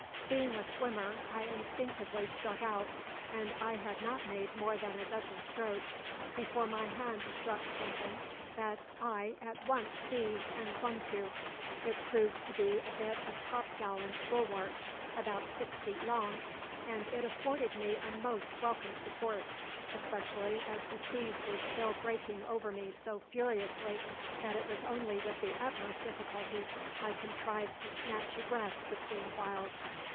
"Being a swimmer, I instinctively struck out, and I had not made more than a dozen strokes before my hands struck something that I at once seized and clung to. It proved to be a bit of topgallant bulwark, about six feet long, and it afforded me a most welcome support, especially as the seas were still breaking over me so furiously that it was only with the utmost difficulty I contrived to snatch a breath between whiles.